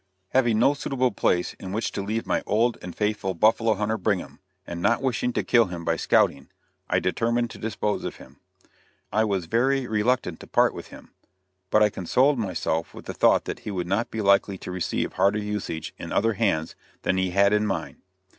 Having no suitable place in which to leave my old and faithful buffalo hunter Brigham, and not wishing to kill him by scouting, I determined to dispose of him. I was very reluctant to part with him, but I consoled myself with the thought that he would not be likely to receive harder usage in other hands than he had in mine.